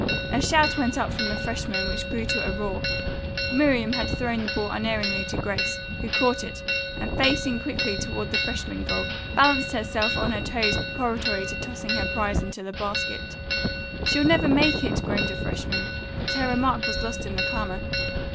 A shout went up from the freshmen which grew to a roar. Miriam had thrown the ball unerringly to Grace, who caught it, and facing quickly toward the freshman goal, balanced herself on her toes preparatory to tossing her prize into the basket. "She'll never make it," groaned a freshman. But her remark was lost in the clamor.